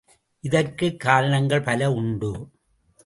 இதற்குக் காரணங்கள் பல உண்டு.